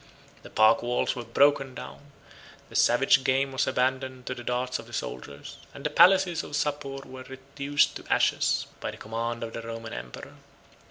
The park walls were broken down, the savage game was abandoned to the darts of the soldiers, and the palaces of Sapor were reduced to ashes, by the command of the Roman emperor.